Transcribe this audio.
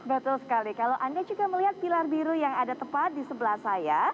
betul sekali kalau anda juga melihat pilar biru yang ada tepat di sebelah saya